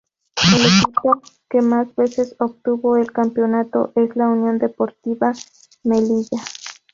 El equipo que más veces obtuvo el campeonato es la Unión Deportiva Melilla.